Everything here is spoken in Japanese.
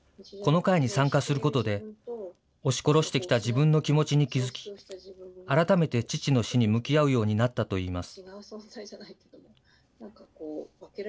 この会に参加することで、押し殺してきた自分の気持ちに気付き、改めて父の死に向き合うようになったといいます。